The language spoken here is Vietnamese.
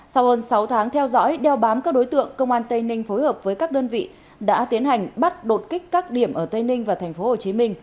sau hơn sáu tháng theo dõi đeo bám các đối tượng công an tây ninh phối hợp với các đơn vị đã tiến hành bắt đột kích các điểm ở tây ninh và tp hcm